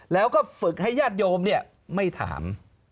แล้วก็ฝึกให้ญาติโยมไม่ถาม